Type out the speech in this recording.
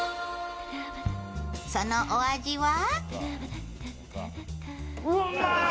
そのお味は？